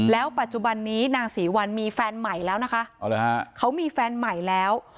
แล้วปัจจุบันนี้นางศรีวัลมีแฟนใหม่แล้วนะคะเขามีแฟนใหม่แล้ว